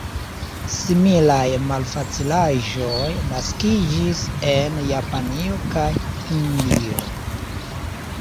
Similaj malfacilaĵoj naskiĝis en Japanio kaj Hindio.